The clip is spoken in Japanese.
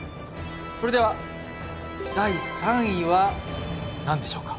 それでは第３位は何でしょうか？